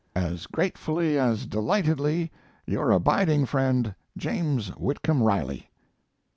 As gratefully as delightedly, Your abiding friend, JAMES WHITCOMB RILEY.